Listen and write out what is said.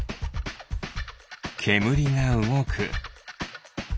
けむりがうごく。